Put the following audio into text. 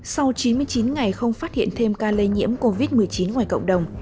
sau chín mươi chín ngày không phát hiện thêm ca lây nhiễm covid một mươi chín ngoài cộng đồng